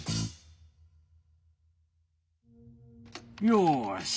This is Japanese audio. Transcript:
よし！